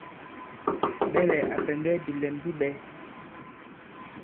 Ɓɛlɛ̀ à pɛ̀ndɛ bìlɛm bi ɓɛ̄.